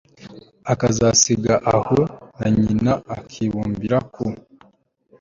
akazasiga aho na nyina, akibumbira ku